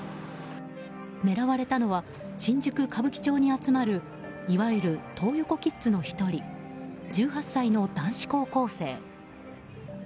狙われたのは新宿・歌舞伎町に集まるいわゆるトー横キッズの１人１８歳の男子高校生。